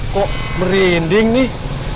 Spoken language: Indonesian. kok merinding nih